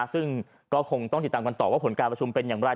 ซึ่งก็คงต้องติดตามกันต่อว่าผลการประชุมเป็นอย่างไร